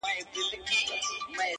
خو دوی ويله چي تر ټولو مسلمان ښه دی;